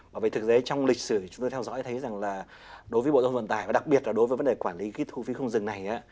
bởi vì thực ra trong lịch sử chúng tôi theo dõi thấy rằng là đối với bộ dân vận tài và đặc biệt là đối với vấn đề quản lý cái thu phí không dừng này